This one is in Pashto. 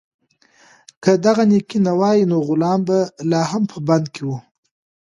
که دغه نېکي نه وای، نو غلام به لا هم په بند کې و.